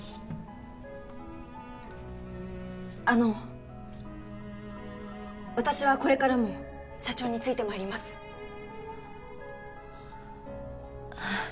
あの私はこれからも社長についてまいりますあ